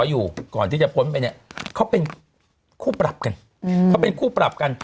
อยู่ก่อนที่จะพ้นไปเนี่ยเขาเป็นคู่ปรับกันเขาเป็นคู่ปรับกัน